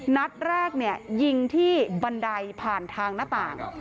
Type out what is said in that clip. นัดแรกเนี่ยยิงที่บันไดผ่านทางหน้าต่าง